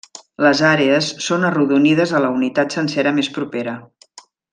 Les àrees són arrodonides a la unitat sencera més propera.